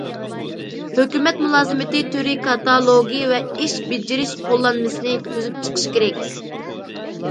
ھۆكۈمەت مۇلازىمىتى تۈرى كاتالوگى ۋە ئىش بېجىرىش قوللانمىسىنى تۈزۈپ چىقىش كېرەك.